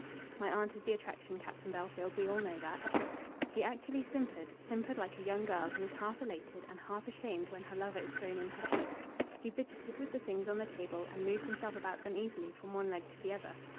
"My aunt is the attraction, Captain Bellfield. We all know that." He actually simpered, simpered like a young girl who is half elated and half ashamed when her lover is thrown in her teeth. He fidgeted with the things on the table, and moved himself about uneasily from one leg to the other.